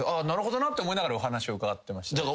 なるほどなって思いながらお話を伺ってました。